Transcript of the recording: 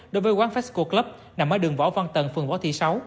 đối với quán fesco club nằm ở đường võ văn tần phường võ thị sáu